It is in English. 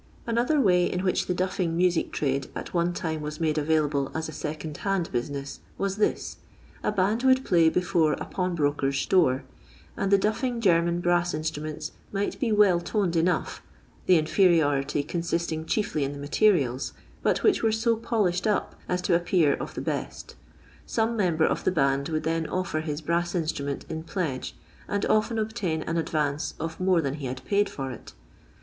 Another way in which the duffing music trade at one time was made available as a second hand business was this :— A band would play before a pawnbroker's door, and the duffing German brass instruments might be well toned enough, the in feriority consisting chiefly in the materials, but which were so polished up as to appear of the best. Some member of the band would then offer his brass instrument in pledge, and often obtain an advance of more than he had paid for it.